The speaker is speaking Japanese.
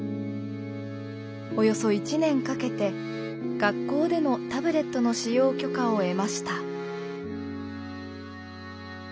およそ１年かけて学校でのタブレットの使用許可を得ました。